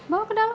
bawa ke dalam